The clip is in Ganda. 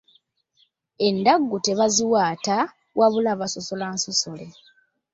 Endaggu tebaziwaata wabula basosola nsosole.